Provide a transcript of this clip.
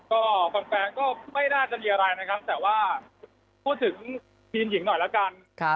ก็แฟนก็ไม่น่าจะมีอะไรนะครับแต่ว่าพูดถึงทีมหญิงหน่อยแล้วกัน